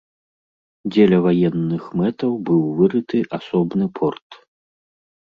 Дзеля ваенных мэтаў быў вырыты асобны порт.